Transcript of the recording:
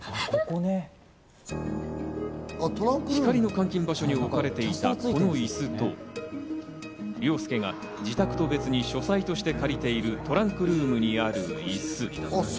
光莉の監禁場所に置かれていたこの椅子と凌介が自宅と別に書斎として借りているトランクルームにある椅子。